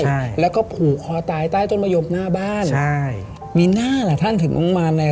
ใช่แล้วก็ผูกคอตายใต้ต้นมะยมหน้าบ้านใช่มีหน้าล่ะท่านถึงลงมาใน